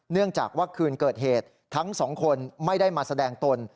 เนื่องจากว่าคืนเกิดเหตุทั้งสองคนไม่ได้มาแสดงตน